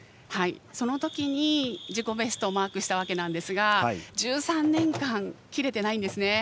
そのときに自己ベストをマークしたんですが１３年間、切れてないんですね。